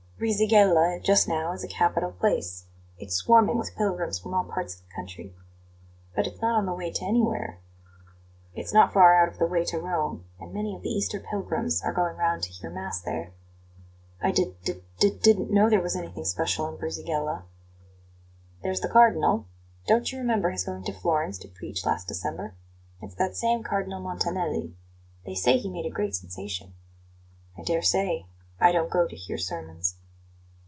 "Brisighella just now is a capital place. It's swarming with pilgrims from all parts of the country." "But it's not on the way to anywhere." "It's not far out of the way to Rome, and many of the Easter Pilgrims are going round to hear Mass there." "I d d didn't know there was anything special in Brisighella." "There's the Cardinal. Don't you remember his going to Florence to preach last December? It's that same Cardinal Montanelli. They say he made a great sensation." "I dare say; I don't go to hear sermons."